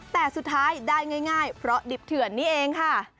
แต่สุดท้ายได้ง่ายเพราะดิบเถื่อนนี่เองค่ะ